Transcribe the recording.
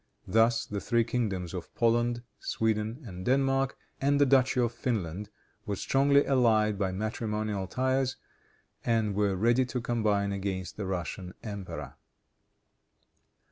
Thus the three kingdoms of Poland, Sweden and Denmark, and the Duchy of Finland were strongly allied by matrimonial ties, and were ready to combine against the Russian emperor.